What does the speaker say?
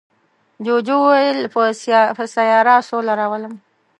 جوجو وویل په سیاره سوله راولم.